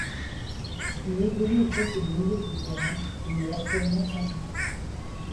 Il évolue au poste de Milieu de terrain et est actuellement sans contrat.